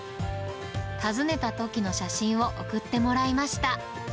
訪ねたときの写真を送ってもらいました。